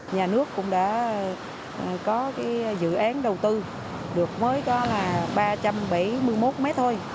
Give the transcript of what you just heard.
nhà nước cũng đã có dự án đầu tư được mới có là ba trăm bảy mươi một mét thôi